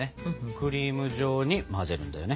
クリーム状に混ぜるんだよね。